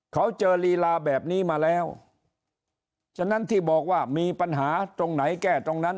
เขาเจอลีลาแบบนี้มาแล้วฉะนั้นที่บอกว่ามีปัญหาตรงไหนแก้ตรงนั้น